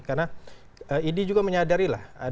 karena ini juga menyadari